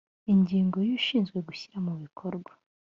ingingo ya ushinzwe gushyira mu bikorwa